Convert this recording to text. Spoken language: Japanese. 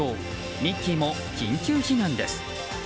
ミッキーも緊急避難です。